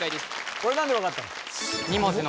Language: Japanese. これ何で分かったの？